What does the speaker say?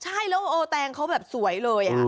ใช่แตงเขาแบบสวยเลย